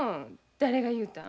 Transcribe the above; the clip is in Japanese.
誰が言うたん？